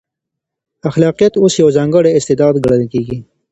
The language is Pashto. خلاقیت اوس یو ځانګړی استعداد ګڼل کېږي.